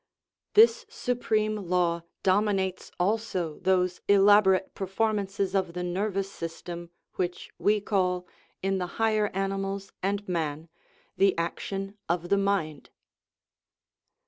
This supreme law dominates also those elaborate performances of the nervous system which we call, in the higher ani mals and man, "the action of the mind."